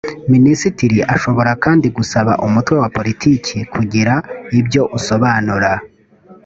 minisitiri ashobora kandi gusaba umutwe wa politiki kugira ibyo usobanura